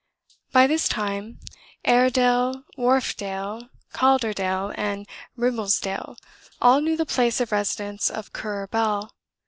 By this time, "Airedale, Wharfedale, Calderdale, and Ribblesdale" all knew the place of residence of Currer Bell.